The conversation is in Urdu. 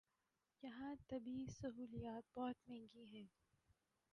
یہاں طبی سہولیات بہت مہنگی ہیں